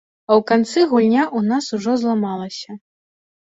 А ў канцы гульня ў нас ужо зламалася.